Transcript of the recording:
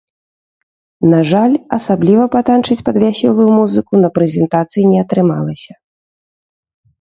На жаль, асабліва патанчыць пад вясёлую музыку на прэзентацыі не атрымалася.